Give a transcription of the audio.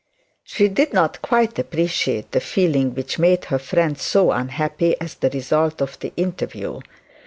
She did not quite appreciate the feeling which made her friend so unhappy at the result of the interview.